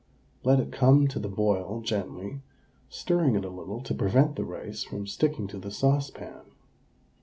Let it come to the boil gently, stirring it a little to prevent the rice from sticking to the saucepan.